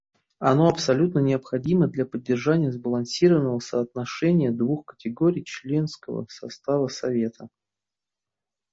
Оно абсолютно необходимо для поддержания сбалансированного соотношения двух категорий членского состава Совета.